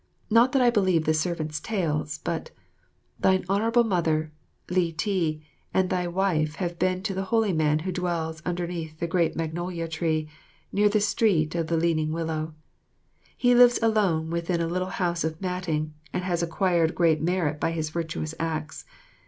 Not that I believe the servants' tales; but thine Honourable Mother, Li ti, and thy wife have been to the Holy Man who dwells underneath the Great Magnolia tree near the street of the Leaning Willow. He lives alone within a little house of matting, and has acquired great merit by his virtuous acts.